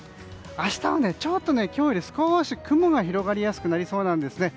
明日はちょっと今日より少し雲が広がりやすくなりそうなんですね。